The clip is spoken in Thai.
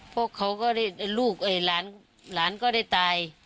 พวกเขาก็ได้ลูกหลานก็ได้ตาย